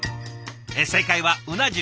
正解はうな重。